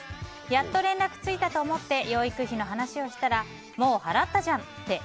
やっと連絡がついたと思って養育費の話をしたらもう払ったじゃんって。